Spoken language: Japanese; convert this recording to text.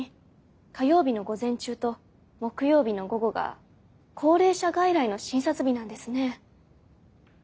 火曜日の午前中と木曜日の午後が高齢者外来の診察日なんですね。